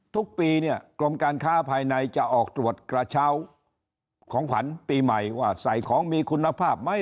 ทุกปีเนี่ยกรมการค้าภายในจะออกตรวจกระเช้าของขวัญปีใหม่ว่าใส่ของมีคุณภาพไหม